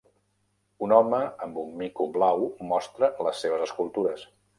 Un home amb un mico blau mostra les seves escultures.